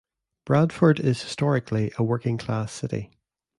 Bradford is historically a working class city.